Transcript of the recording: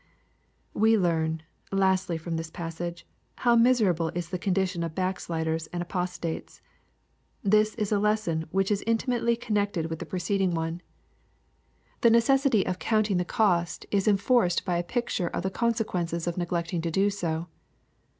We learn, lastly, from this passage, how miserable is the ctmdition of backsliders and apostates. This is a lesson . which, is intimately connected with the preceding one. 170 EXPOSITOIIY THOUGHTS. The necessity of "counting the cost" is enforced by a picture of the consequences of neglecting to do so.